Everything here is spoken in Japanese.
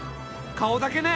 顔だけね。